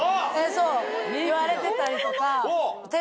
そう言われてたりとか。